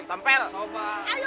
tumpel lihat coba di sini